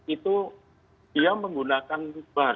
itu dia menggunakan bar